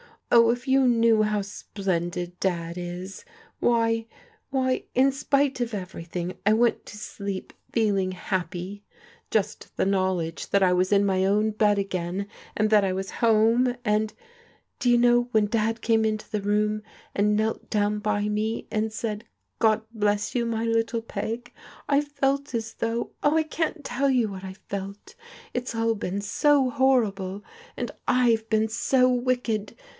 Oh, if you knew how splendid Dad is ! Why,— why, — in spite of everything, I went to sleep feeling happy. Just the knowledge that I was in my own bed again, and that I was home, and — do you know when Dad came into the room and knelt down by me and said, * God bless you, my little Peg,' I felt as though — oh, I can't tell you what I felt I It's all been so horrible, and I've been so wicked